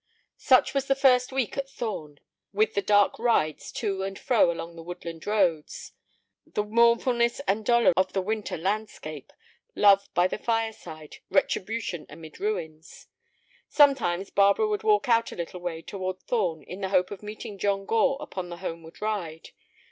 Such was the first week at Thorn, with the dark rides to and fro along the woodland roads, the mournfulness and dolor of the winter landscape, love by the fireside, retribution amid ruins. Sometimes Barbara would walk out a little way toward Thorn in the hope of meeting John Gore upon the homeward ride.